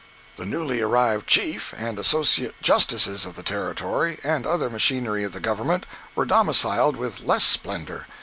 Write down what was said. The newly arrived Chief and Associate Justices of the Territory, and other machinery of the government, were domiciled with less splendor.